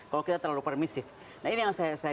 kalau kita terlalu permisif nah ini yang saya